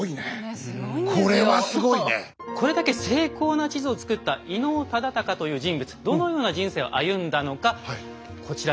これだけ精巧な地図を作った伊能忠敬という人物どのような人生を歩んだのかこちらで見ていきましょう。